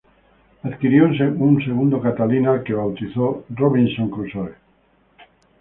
Adquirió un segundo Catalina al que bautizó "Robinson Crusoe".